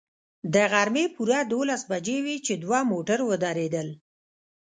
د غرمې پوره دولس بجې وې چې دوه موټر ودرېدل.